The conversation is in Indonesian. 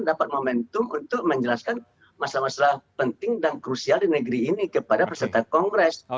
dapat momentum untuk menjelaskan masalah masalah penting dan krusial di negeri ini kepada peserta kongres